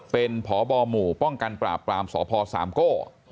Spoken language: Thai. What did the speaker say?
เป็นพบหมู่ป้องกันปราบปรามสพสามโก้